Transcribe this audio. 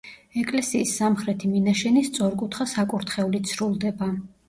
ეკლესიის სამხრეთი მინაშენი სწორკუთხა საკურთხევლით სრულდება.